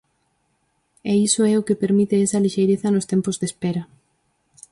E iso é o que permite esa lixeireza nos tempos de espera.